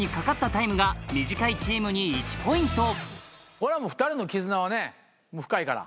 これはもう２人の絆はね深いから。